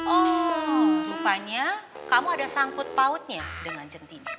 oh lupanya kamu ada sangkut pautnya dengan centini